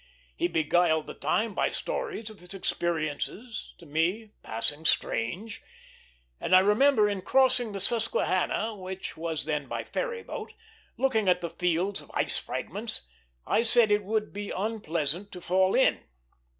He beguiled the time by stories of his experiences, to me passing strange; and I remember, in crossing the Susquehanna, which was then by ferry boat, looking at the fields of ice fragments, I said it would be unpleasant to fall in.